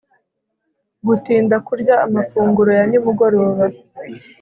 Gutinda kurya amafunguro ya nimugoroba